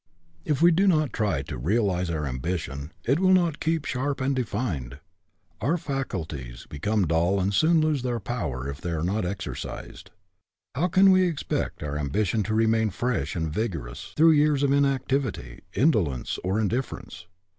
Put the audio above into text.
If we do not try to realize our ambition, it will not keep sharp and defined. Our faculties become dull and soon lose their power if they GETTING AROUSED 21 are not exercised. How can we expect our ambition to remain fresh and vigorous through years of inactivity, indolence, or indifference?